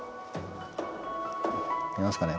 見えますかね？